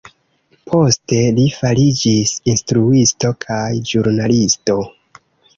Poste, li fariĝis instruisto kaj ĵurnalisto.